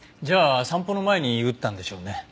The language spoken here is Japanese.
じゃあ散歩の前に打ったんでしょうね。